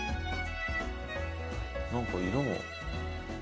何か色も。